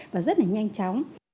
và rất là nhanh chóng